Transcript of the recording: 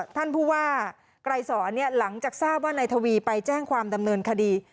ท่านผู้ว่าไกรสอนหลังจากทราบว่านายทวีไปแจ้งความดำเนินคดี